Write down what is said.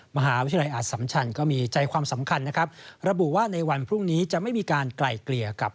มหาวิทยาลัยอสัมชันก็มีใจความสำคัญนะครับระบุว่าในวันพรุ่งนี้จะไม่มีการไกลเกลี่ยกับ